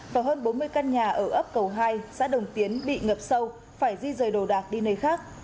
và hơn bốn mươi căn nhà ở ấp cầu hai xã đồng tiến bị ngập sâu phải di rời đồ đạc đi nơi khác